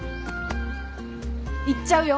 行っちゃうよ！